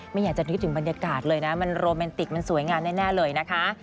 ไม่อยากจะนึกถึงบรรยากาศเลยนะมันโรแมนติกมันสวยงามแน่เลยนะคะ